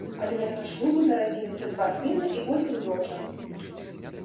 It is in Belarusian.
Ад гэтага шлюбу нарадзілася два сына і восем дочак.